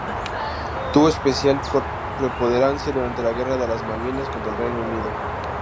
Tuvo especial preponderancia durante la Guerra de las Malvinas contra el Reino Unido.